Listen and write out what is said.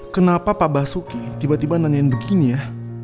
kenapa pak basuki tiba tiba nanyain begini ya